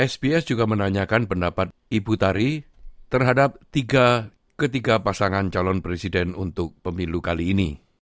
sbs juga menanyakan pendapat ibu tari terhadap ketiga pasangan calon presiden untuk pemilu kali ini